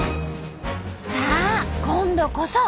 さあ今度こそ！